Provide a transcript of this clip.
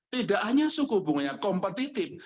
tidak hanya suku bunganya kompetitif